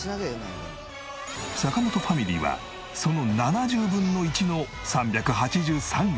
坂本ファミリーはその７０分の１の３８３円。